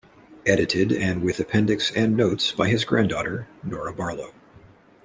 Edited and with appendix and notes by his granddaughter Nora Barlow.